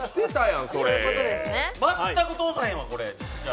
全く通さへんわ。